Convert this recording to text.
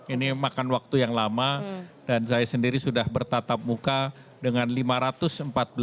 ini makan waktu yang lama dan saya sendiri sudah bertatap muka dengan lima ratus empat belas pengurus dpd tiongkok